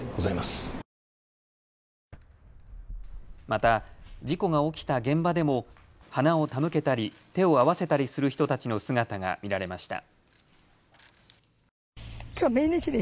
また事故が起きた現場でも花を手向けたり手を合わせたりする人たちの姿が見られました。